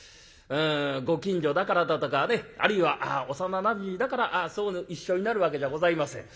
ご近所だからだとかねあるいは幼なじみだから一緒になるわけじゃございません。